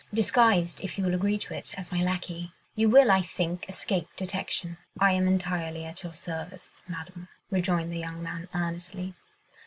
Disguised, if you will agree to it, as my lacquey, you will, I think, escape detection." "I am entirely at your service, Madame," rejoined the young man earnestly.